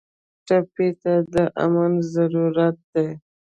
ټپي ته د امن ضرورت دی.